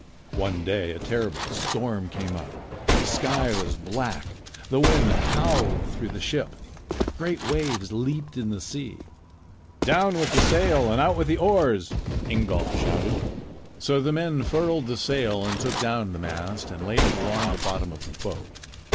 One day a terrible storm came up; the sky was black; the wind howled through the ship. Great waves leaped in the sea. "Down with the sail and out with the oars!" Ingolf shouted. So the men furled the sail and took down the mast and laid it along the bottom of the boat.